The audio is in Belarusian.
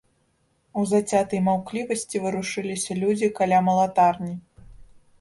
У зацятай маўклівасці варушыліся людзі каля малатарні.